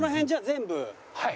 はい。